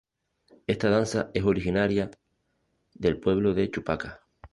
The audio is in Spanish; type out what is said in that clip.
Esta danza es originaria del pueblo de Chupaca.